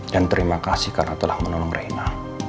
dan terima kasih karena telah menolong reina